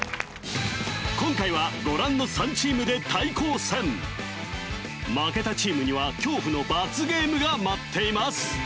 今回はご覧の３チームで対抗戦負けたチームには恐怖の罰ゲームが待っています